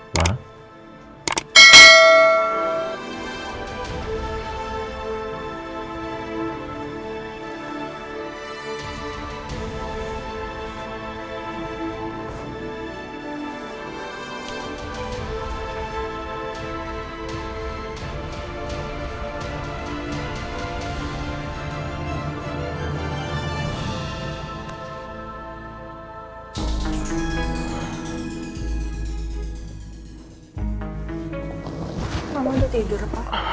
kau mau tidur apa